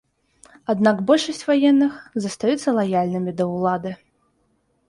Аднак большасць ваенных застаюцца лаяльнымі да ўлады.